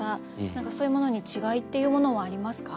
何かそういうものに違いっていうものはありますか？